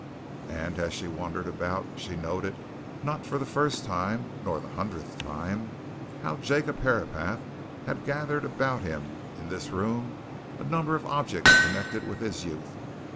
And as she wandered about she noted, not for the first nor the hundredth time, how Jacob Herapath had gathered about him in this room a number of objects connected with his youth.